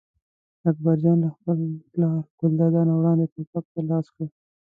اکبر جان له خپل پلار ګلداد نه وړاندې ټوپک ته لاس کړ.